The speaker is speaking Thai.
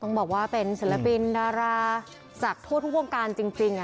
ต้องบอกว่าเป็นศิลปินดาราจากทั่วทุกวงการจริง